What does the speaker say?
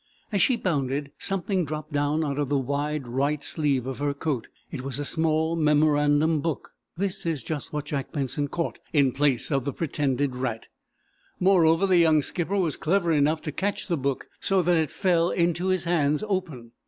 As she bounded something dropped down out of the wide right sleeve of her coat. It was a small memorandum book. This was just what Jack Benson caught, in place of the pretended rat. Moreover, the young skipper was clever enough to catch the book so that it fell into his hands open.